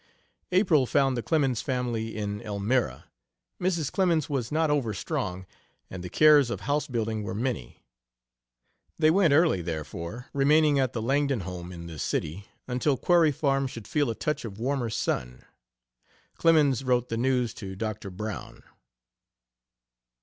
April found the Clemens family in Elmira. Mrs. Clemens was not over strong, and the cares of house building were many. They went early, therefore, remaining at the Langdon home in the city until Quarry Farm should feel a touch of warmer sun, Clemens wrote the news to Doctor Brown.